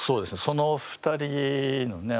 その２人のね